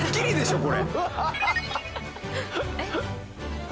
これ！